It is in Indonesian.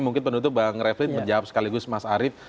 mungkin penutup bang refli menjawab sekaligus mas arief